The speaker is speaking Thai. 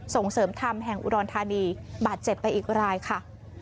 ส่งเสริมธรรมแห่งอุดรธานีบาดเจ็บไปอีกรายค่ะ